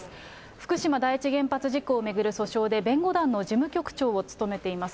福島第一原発事故を巡る訴訟で、弁護団の事務局長を務めています。